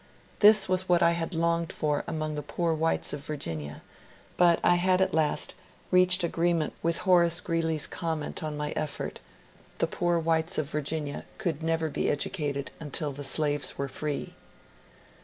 This was what I had longed for among the poor whites of Virginia, but I had at last reached agreement with Horace Greeley's comment on my 172 MONCUBE DANIEL CONWAY effort : the poor whites of Virginia oould never be educated until the slaves were free.